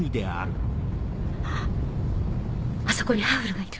あそこにハウルがいる。